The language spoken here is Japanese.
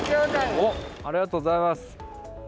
おっ、ありがとうございます。